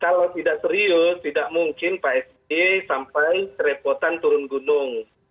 kalau tidak serius tidak mungkin pak sby sampai kerepotan turun gunung